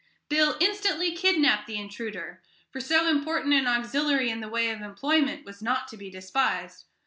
Bill instantly kidnapped the intruder, for so important an auxiliary in the way of employment was not to be despised.